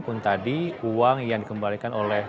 pun tadi uang yang dikembalikan oleh